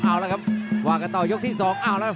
เอาล่ะครับว่ากันต่อยกที่สอง